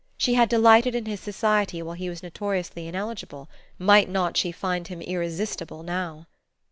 She had delighted in his society while he was notoriously ineligible; might not she find him irresistible now?